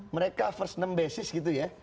mereka first enam basis gitu ya